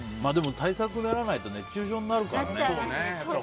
対策を練らないと熱中症になるからね。